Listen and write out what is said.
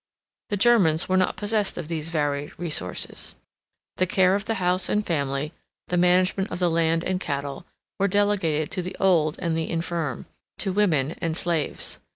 The Germans were not possessed of these varied resources. The care of the house and family, the management of the land and cattle, were delegated to the old and the infirm, to women and slaves.